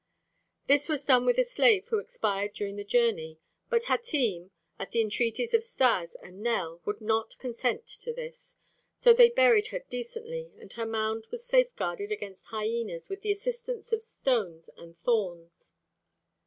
This was done with a slave who expired during the journey. But Hatim, at the entreaties of Stas and Nell, would not consent to this; so they buried her decently and her mound was safeguarded against hyenas with the assistance of stones and thorns.